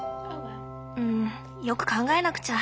うんよく考えなくちゃ。